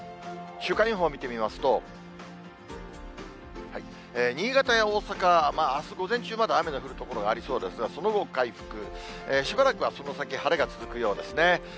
週間予報を見てみますと、新潟や大阪、あす午前中、まだ雨の降る所がありそうですが、その後回復、しばらくはその先、晴れが続くようですね。